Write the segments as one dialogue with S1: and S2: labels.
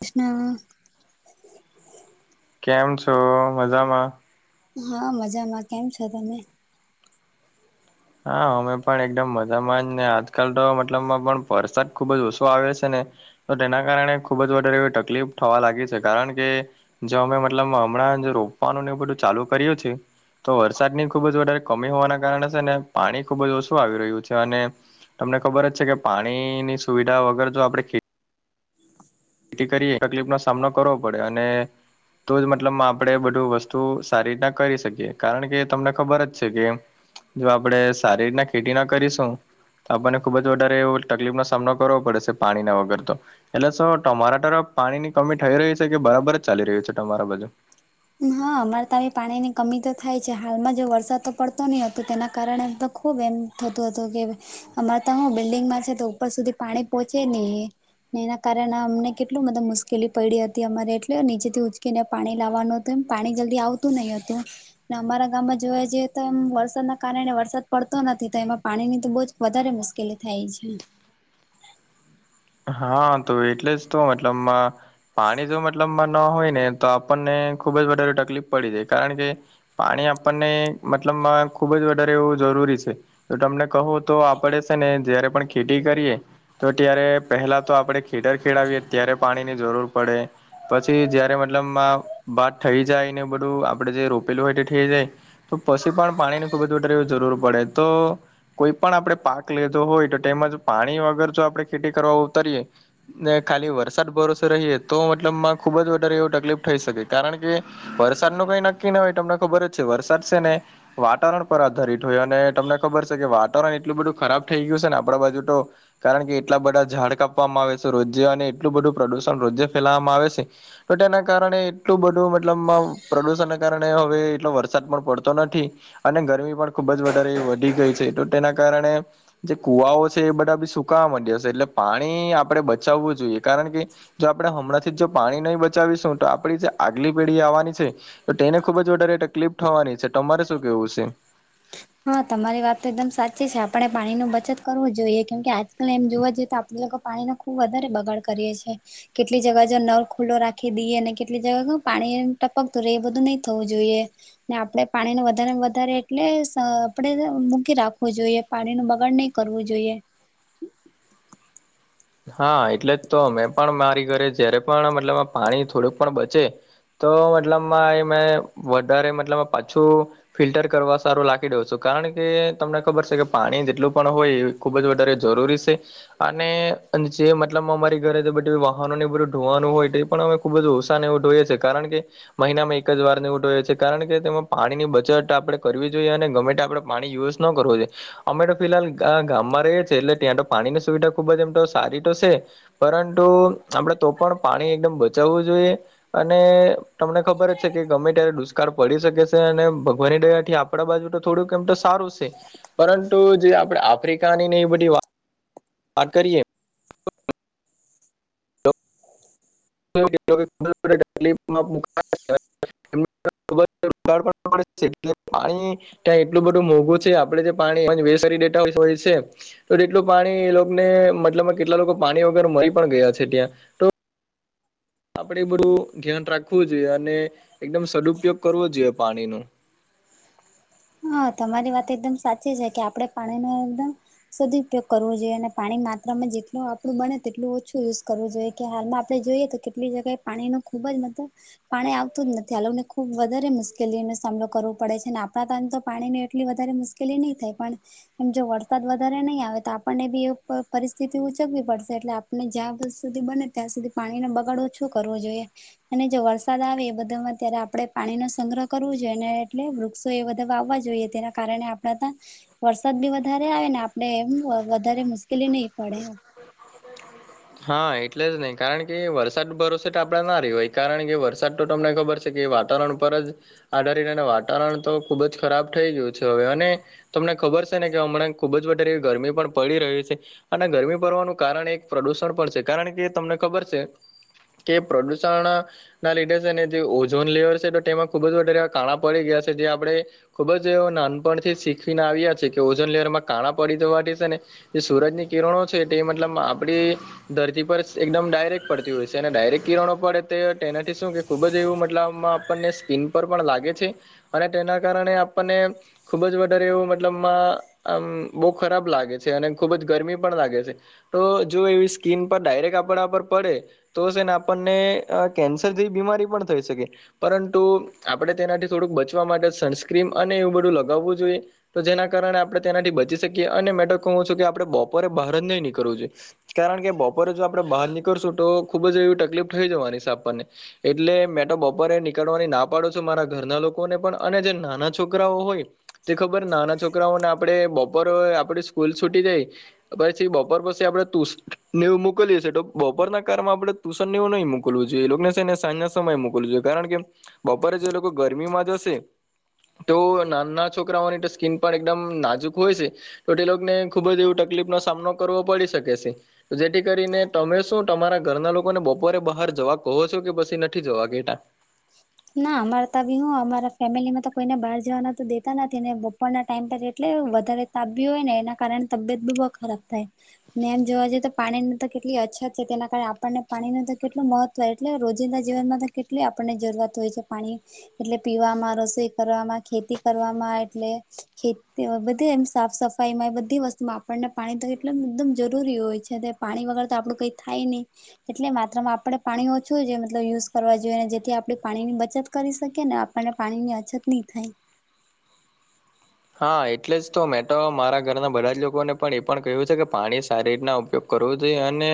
S1: કૃષ્ણ.
S2: કેમ છો મજામાં.
S1: હા મજામાં. કેમ છો તમે?
S2: હા અમે પણ એકદમ મજામાં જ ને આજકાલ તો મતલબમાં પણ વરસાદ ખુબ જ ઓછો આવે છે ને તો તેના કારણે ખુબ જ વધારે એવી તકલીફ થવા લાગી છે કારણ કે જો અમે મતલબ હમણાં રોપવાનું ને એ બધું ચાલુ કર્યું છે. તો વરસાદની ખુબ જ વધારે કમી હોવાના કારણે છે ને પાણી ખુબ જ ઓછું આવી રહ્યું છે અને તમને ખબર જ છે કે પાણીની સુવિધા વગર જો આપડે ખે ખથી કરીએ તકલીફ નો સામનો કરવો પડે અને તો જ મતલબ આપણે બધું વસ્તુ સારી રીતના કરી શકીએ. કારણ કે તમને ખબર જ છે કે જો આપડે સારી રીતના ખેતી ના કરીશું આપણને ખુબ જ વધારે એવ તકલીફનો સામનો કરવો પડે છે પાણીના વગર તો, એટલે તો તમારા તરફ પાણી ની કમી થઈ રહી છે કે બરાબર જ ચાલી રહ્યું છે? તમારા બાજુ.
S1: હા અમારે તો આવી પાણી ની કમી તો થાય છે હાલમાં જો વરસાદ તો પડતો નહી હતો, તેના કારણે તો ખુબ એમ થતું હતું કે અમારે તો હું બિલ્ડિંગમાં છે તો ઉપર સુધી પાણી પોહોંચે નહી. ને એના કારણે અમને કેટલું બધ મુશ્કેલી પડી હતી. અમારે એટલે નીચેથી ઉચકીને પાણી લાવવાનું તો એમ પાણી જલ્દી આવતું નહિ હતું. અમારા ગામમાં જોવા જઈએ તો એમ વરસાદના કારણે વરસાદ પડતો નથી તો એમાં પાણી ની તો બહુ જ વધારે મુશ્કેલી થાય છે.
S2: હા, તો એટલે જ તો મતલબમાં પાણી જો મતલબ ન હોય ને આપણને જ વધારે તકલીફ પડી જાય. કારણ કે પાણી આપણને મતલબ ખુબ જ વધારે એવું જરૂરી છે. તો તમને કહું તો આપડે છે ને જયારે પણ ખેતી કરીએ, તો ત્યારે પહેલા તો ખેતર ખેડવીએ ત્યારે ની જરૂર પડે. પછી જયારે મતલબ બાત થઈ જાય, ને બધું આપડે જે રોપેલું હોય તે થઈ જાય. તો પછી પણ પાણીની ખૂબ જ વટર એવી જરૂર પડે. તો કોઈ પણ આપડણે પાક લેધો હોય તો તેમજ પાણી વગર જો આપડણે ખેતી કરવા ઉતરીએ ને ખાલી વરસાદ ભરોસે રહીએ તો મતલબમાં ખુબ જ વધારે એવું તકલીફ થઈ શકે કારણ કે વરસાદ નું કઈ નક્કી ન હોય તમને ખબર જ છે વરસાદ છે ને વાતાવરણ પર આધારિત હોય અને તમને ખબર છે કે વાતાવરણ એટલું બધું ખરાબ થઈ ગયું છે ને આપણા બાજુ તો કારણ કે એટલા બધા ઝાડ કાપવામાં આવે છે. રોજે અને એટલું બધું પ્રદુષણ રોજે ફેલાવામાં આવે છે. તો તેના કારણે એટલું બધું મતલબ પ્રદુષણના કારણે હવે એટલો વરસાદ પણ પડતો નથી. અને ગરમી પણ ખુબ જ વધારે વધી ગઈ છે તો તેના કારણે જે કુવાઓ છે એ બધા બી સુકાવા માંડ્યા હશે એટલે પાણી આપણે બચાવવું જોઈએ કારણ કે જો આપણે હમણાં થી જ જો પાણી નહી બચાવીશું તો આપડી જે આગલી પેઢી આવવાની છે, તો તેને ખુબ જ વધારે તકલીપ થવાની છે. તમારે શું કેવું છે.
S1: હા તમારી વાત તો એકદમ સાચી છે આપણે પાણી ન બચત કરવું જોઈએ કેમ કે આજ અને એમ જોવા જઈએ તો આપણે લોકો પાણીનો ખુબ વધારે બગાડ કરીએ છીએ. કેટલી જગ્યા જો નળ ખુલ્લો રાખી દઈએ અને કેટલી જગ પાણી ટપકતું રહે એ બધું નહી થવું જોઈએ. ને આપડે પાણીને વધારે ને વધારે એટલે અ આપણે મૂકી રાખવું જોઈએ પાણી ન બગાડ નહીં કરવું જોઈએ.
S2: હા એટલે તો મેં પણ મારી ઘરે જયારે પણ મતલબ પાણી થોડુંક પણ બચે તો મતલબમાં એ મેં વધારે મતલબ પાછું ફિલ્ટર કરવા સારું લાખી દઉ છું. કારણ કે તમને ખબર છે કે પાણી જેટલું પણ હોય. ખૂબ જ વધારે જરૂરી છે. અને અને જે મતલબમાં અમા ઘરે બધું વાહનોને બધું ધોવાનું હોય, તો એ પણ અમે ખૂબ જ ઓવસાન એ જોઈએ છીએ કારણ કે મહિનામાં એક જ વાર નીવટો હો છે કારણ કે તેમાં પાણીની બચત આપે કરવી જોઈએ અને ગમે તે આપડણે પાણી યુઝ ન કરવું જોઈ અમે તો ફિલહાલ ગામમાં રહીએ છે. એટલે ત્યાં તો પાણીની સુવિધા ખુબ જ એમ તો સા્ સારી તો છે. પરંતુ પણ પાણી એકદમ બચાવવું જોઈએ. અને તમને ખબર જ છે કે ગમે ત્યારે દુષ્કાળ પડી શકે છે. અને ભગવાની દયાથી આપ આપડા બાજુ તો થોડુંક એમ તો સારું છે. પરંતુ જે આપણે આફ્રિકાની ને એ બધી વાત વાત કરીએ. [inaudible] તકલીફમાં પાણી ત્યાં એટલું બધું મોંઘું છે. આપણે જે પાણી વેસ્ટ કરી દેતા હોય છે. તો તેટલું પાણી એ લોકોને મતલબ કેટલા લોકો પાણી વગેર મરી પણ ગયા છે ત્યાં. તો આપણે બધું ધ્યાન રાખવું જોઈએ. અને એકદમ સદુપયોગ કરવો પાણી નુ.
S1: હા, તમારી વાત એકદમ સાચી છે. કે આપડણે પાણી ન એકદમ સદપયોગ કરવો જોઈએ. અને પાણી માત્રામાં જેટલ આપણું બને તેટલું ઓછું યુઝ કરવું જોઈએ. કે હાલમાં આપડણે જોઈએ કે કેટલી જગ્યાએ પાણી ન ખુબ જ મતલબ પાણી આવતું જ નથી આ લોકોને ખુબ વધારે મુશ્કેલીઓ નો સામનો કરવો પડે છે અને આપણા ટાઇમ તો પાણી ની એટલી વધારે મુશ્કેલી નહી થાય પણ એમ જો વરસાદ વધારે નહીં આવે તો આપણને બી એ પરિસ્થિતિ ઉજગવી પડશે એટલે આપડે આપને જ્યાં સુધી બને ત્યાં સુધી પાણી નો બગાડો ઓછો કરવો જોઈએ. અને જો વરસાદ આવે એ બધા માં ત્યારે આપડણે પાણી નો સંગ્રહ કરવો જોઈએ ને એટલે વૃક્ષો એ બધા વાવવા જોઈએ. જોઈએ તેના કારણે આપણા ત્યાં વરસાદ બી વધારે આવે ને આપડે એમ વધારે મુશ્કેલી નહી પડે એમ.
S2: હા એટલે જ નહી કારણ કે વરસાદ ભરોસે તો આપડા ના રહેવાય હોય કારણ કે વરસાદ તો તમને ખબર છે. કે વાતાવરણ ઉપર જ આધારી વાતાવરણ તો ખુબ જ ખરાબ થઈ ગયું છે હવે અને તમને ખબર છે ને કે હમણાં ખુબ જ વધારે એવી ગરમી પણ પડી રહી છે. અને ગરમી પડવાનું કારણ એક પ્રદુષણ પણ છે કારણ કે તમને ખબર છે. કે પ્રદૂષણ ના લીધે છે ને જે ઓઝોન લેવર છે તો તેમાં ખુબ જ વધારે કાણા પડી ગયા છે જે આપડે ખુબ જ એ નાનપણથી શીખવીને આવ્યા છે કે ઓજન લેવરમાં કાણા પડી જવાથી છે ને જે સુરજની કિરણો છે તે મતલબ આપડી ધરતી પર એકદમ ડાયરેક્ટ પડતી હોય છે અને ડાયરેક્ટ કિરણો પડે તે એનાથી શું કે ખૂબ જ એવું મતલબમાં આપણને સ્કીન પર પણ લાગે છે અને તેના કારણે આપનને ખુબ જ વધારે એવું મતલબમાં આમ બહુ ખરાબ લાગે છે અને ખુબ જ ગરમી પણ લાગે છે તો જો એવી સ્કી સ્કીન પર ડાયરેક્ટ આપડા પર પડે. તો છે એને આપણને કેન્સર જેવી બીમારી પણ થઈ શકે. પરંતુ આપણે તેનાથી થોડુંક બચવા માટે સનસ્ક્રીન અને એવું બધું લગાવવું જોઈએ. તો જેના કારણે આપણે તેનાથી બચી શકીએ અને મે તો હું છું કે આપડણે બપોરે બહાર જ નહીં નીકળવું જોઈએ. કારણ કે બપોરે જો આપડે બહાર નીકળશું તો ખુબ જ એવી તકલીફ થઈ જવાની છે આપણને. એટલે મેં તો બપોરે નીકળવાની ના પાડો છો મારા ઘરના લોકોને પણ અને જે નાના છોકરાઓ હોય તે ખબર નાના છોકરાઓને આપડે બપોરે આપણે સ્કૂલ છૂટી જઈ પછી બપોર પછી આપડે તુ નેવું મોકલીએ તો બપોરના કારમાં આપડે તુશન ને એવું નહીં મોકલું જોઈએ એ લોકોને છે ને સાંજ સમય મોકલું જોઈએ કારણ કે બપોરે જે લોકો ગરમીમાં જશે તો નાના છોકરાઓની તો સ્ક્રીન પર એકદમ નાજુક હોય છે. તો તે લોકોને ખુબ જ એવું તકલીફ નો સામનો કરવો પડી શકે છે. જેથી કરીને તમે શું તમારા ઘરના લોકોને બપોરે બહાર જવા કહો છો કે પછી નથી જવા દેતા [inaudible]
S1: ના અમારે તો બી હું અમારા ફેમિલીમાં તો કોઈને બહાર જવાના તો દેતા નથી ને બપોરના ટાઈમ પર એટલે વધારે તાબ્યું હોય ને એના કારણે તબિયત બી બહુ ખરાબ થાય ને એમ જોવા જઈએ તો પાણીની તો કેટલી અછત છે તેના કારણે આપણને પાણીનું તો કેટલું મહત્વ એટલે રોજિંદા જીવનમાં કેટલી આપણને જરૂરત હોય છે પાણી એટલે પીવામાં રસોઈ કરવામાં ખેતી કરવામાં એટલે ખેતી બધે એમ સાફ સફા ઈમાં એ બધી વસ્તુમાં આપણને પાણી તો એટલુ એકદમ જરૂરી હોય છે તે પાણી વગર તો આપડું કય થાય ની એટલે માત્ર માં આપણેે પાણી ઓછું જે મતલબ યુઝ કરવા જોઈએ ને જે થી આપણે પાણી ની બચત કરી શકીએ ને આપણને પાણી ની અછત ની થાય.
S2: હા એટલે જ તો મેં તો મારા ઘરના બધા જ લોકોને પણ એ પણ કહ્યું છે કે પાણી સારી રીતના ઉપયોગ કરવો જોઈએ અને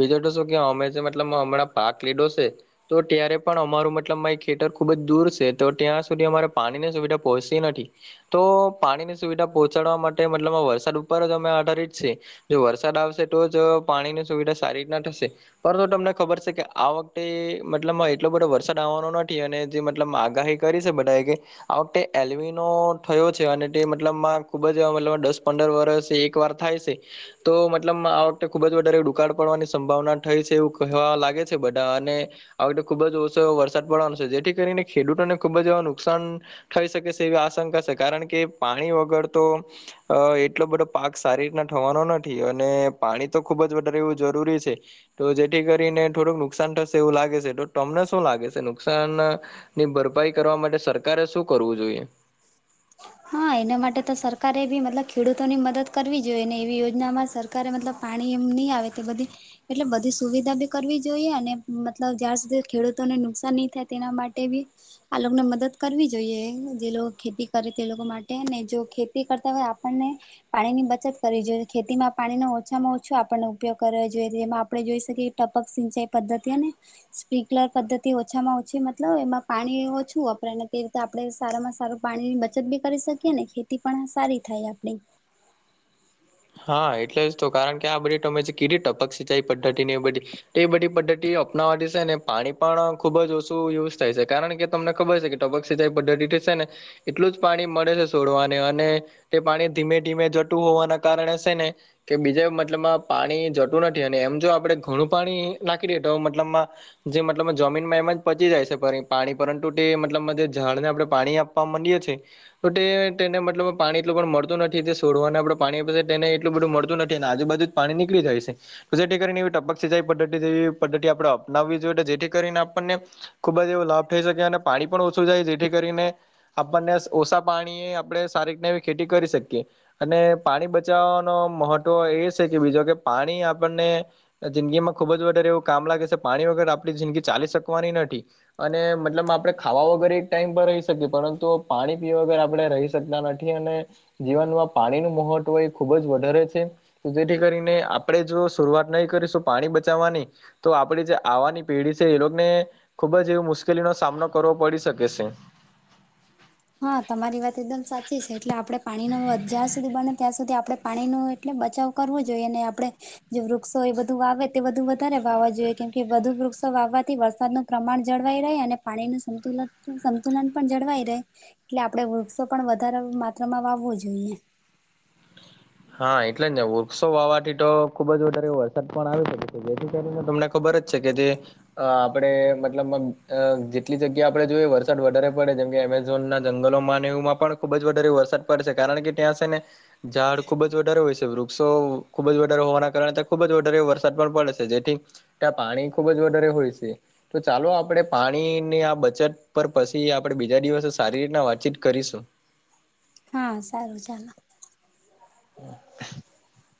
S2: બીજો તો શું કે અમે જે મતલબ હમણાં પાક લીધો સે તો ત્યારે પણ અમારું મતલબ મા ખેતર ખુબ જ દૂર સે તો ત્યાં સુધી અમારે પાણીની સુવિધા પહોચતી નથી. તો પાણીની સુવિધા પહોંચાડવા માટે, મતલબમાં વરસાદ ઉપર જ અમે આધારિત છીએ. જો વરસાદ આવશે તો જ, પાણીની સુવિધા સારી રીતના થશે. પરંતુ તમને ખબર છે કે આ વખતે મતલબમાં એટલો બધો વરસાદ આવવાનો નથી અને જે મતલબ આગાહી. કરી સે બધાએ કે, આ વખતે એલિમિનો. થયો છે અને તે મતલબમાં ખૂબ જ એવા મતલબ દસ પંદર વરસ એક વાર થાય સે. તો મતલબમાં આ વખતે ખુબ જ વધારે દુકાળ પડવાની સંભાવના થઈ છે એવું કહેવા લાગે છે બધા અને. આ વખતે તો ખુબ જ ઓછો વરસાદ પડવાનો છે, જેથી કરીને ખેડૂતોને ખુબ જ નુકસાન. થઈ શકે છે એવી આશંકા છે કારણકે પાણી વગર તો. અ એટલો બધો પાક સારી રીતના થવાનો નથી અને પાણી તો ખુબ જ વધારે એવું જરૂરી સે. તો જેથી કરીને થોડુંક નુકસાન થશે, એવું લાગે સે તો તમને શું લાગે સે નુકસાન! ની ભરપાઈ કરવા માટે સરકારે શું કરવું જોઈએ?
S1: હા એના માટે તો સરકારે બી, મતલબ, ખેડૂતો ની મદદ કરવી જોઈએ ને એવી યોજનામાં સર કારે મતલબ પાણી એમ ની આવે તે બધી. એટલે બધી સુવિધા બી કરવી જોઈએ અને મતલબ જ્યાં સુધી ખેડૂતોને નુકસાન નહી થાય તેના માટે બી. આ લોકો ને મદદ કરવી જોઈએ જે લોકો ખેતી. કરે તે લોકો માટે ને જો ખેતી કરતા હોય આપણને. પાણી ની બચત કરવી જોઈએ. ખેતીમાં પાણીનો ઓછામાં ઓછો આપણનો ઉપયોગ કરવો જોઈએ. જેમાં આપણે જોઈ શકીએ. ટપક સિંચાઈ પદ્ધતિ અને. સ્પ્રિન્કલર પદ્ધતિ ઓછામાં ઓછી મતલબ, એમાં પાણી ઓછું વપરાય ને તે રીતે. આપણે સારામાં સારું પાણીની બચત બી કરી શકીએ. ને ખેતી પણ સારી થાય આપણી.
S2: હા એટલે જ તો કારણ કે આ બધી તમે જે કીધી ટપક સિંચાઈ પદ્ધતિ ની એ બધી. એ બધી પદ્ધતિ અપનાવા થી છે ને, પાણી પણ ખુબ જ ઓછું યુઝ થાય છે કારણ કે. તમને ખબર છે કે, ટપક સિંચાઈ પદ્ધતિ થી સે ને. એટલું જ પાણી મળે છે. છોડવા ને અને તે પાણી ધીમે ધીમે જટું હોવાના. કારણે સે ને. કે બીજે મતલબમાં, પાણી જતું નથી અને એમ જો આપણે ઘણું પાણી નાખી દેયે તો મતલબમાં. જે મતલબ જમીનમાં એમ જ પહોંચી જાય છે. પાણી પરંતુ તે મતલબ જે ઝાડ ને આપણે પાણી. આપવા મંડીએ છે તો તે તેને મતલબ પાણી એટલું પણ મળતું નથી જે છોડવા ને આપડે. પાણી તેને એટલું બધું મળતું નથી. અને આજુ બાજુ જ પાણી નીકળી જાય સે. તો જેથી કરીને ટપક સિચાઈ પદ્ધતિ જેવી પદ્ધતિ આપણે અપનાવવી જોઈએ જેથી કરીને આપણને ખુબ જ એવો લાભ થઈ શકે અને પાણી પણ ઓછું જાય જેથી કરીને. આપણને ઓછા પાણીએ આપણે સારી રીતના એવી ખેતી કરી શકીએ અને. પાણી બચાવવાનો મહત્વ એ સે કે બીજો કે પાણી આપણને. જિંદગી માં ખુબ જ વધારે એવું કામ લાગે સે પાણી વગર આપણી જિંદગી ચાલી શકવાની નથી. અને મતલબ આપણે ખાવા વગર એક ટાઈમ પર રહી શકીએ પરંતુ પાણી પીવા વગર આપણે રહી. શકતા નથી અને જીવનમાં પાણી નું મહત્વ એ ખુબ જ વધારે છે. તો જેથી કરીને આપણે જો શરૂઆત નહી કરીશું પાણી બચાવવાની તો આપણે જે આવાની પેઢી છે એ લોક ને ખુબ જ એવો મુશ્કેલીનો સામનો કરવો પડી શકે છે.
S1: હા તમારી વાત એકદમ સાચી છે. એટલે આપણે પાણીનો જ્યાં સુધી બને ત્યાં સુધી આપણે પાણીનું એટલે બચાવ કરવો જોઈએ ને આપણે જે વૃક્ષો એ બધું વાવે બધું વધારે વાવા જોઈએ કે વધુ વૃક્ષો વાવવાથી વરસાદનું પ્રમાણ જળવાય રહે અને પાણી નું સંતુલન, સંતુલન પણ જળવાય રહે. એટલે આપડે વૃક્ષો પણ વધારે માત્રામાં વાવવો જોઈએ.
S2: હા એટલે જ ને વૃક્ષો વાવાથી તો ખુબ જ વધારે વરસાદ પણ આવે શકે જેથી કરીને તમને ખબર જ છે કે તે આ આપડે મતલબમાં અ. જેટલી જગ્યા આપણે જોઈ હોય, વરસાદ વધારે પડે, જેમ કે એમે ઝોનનાં જંગલોમાં ને એવુંમાં પણ ખુબ જ વધારે વરસાદ પડશે. કારણ કે ત્યાં છે ને ઝાડ ખુબ જ વધારે હોય છે. વૃક્ષો ખુબ જ વધારે હોવાના કારણે ત્યાં ખુબ જ વધારે વરસાદ પણ પડે છે. જેથી ત્યાં પાણી ખુબ જ વધારે હોય સે. તો ચાલો આપણે પાણીની આ બચત પર પસી આપણે બીજા દિવસે સારી રીતના વાતચીત કરીશું.
S1: હા સારું ચાલો.
S2: [inaudible]